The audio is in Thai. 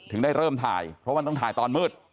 ได้เริ่มถ่ายเพราะมันต้องถ่ายตอนมืด